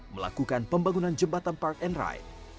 melakukan pembangunan jembatan park and ride